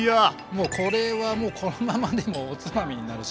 もうこれはこのままでもおつまみになるし。